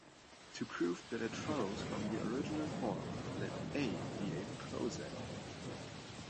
To prove that it follows from the original form, let "A" be a poset.